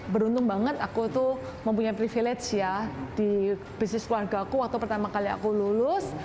beruntung banget aku tuh mempunyai privilege ya di bisnis keluarga aku waktu pertama kali aku lulus